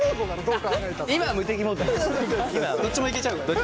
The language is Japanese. どっちも行けちゃうから。